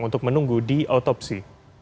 untuk menunggu di otopsi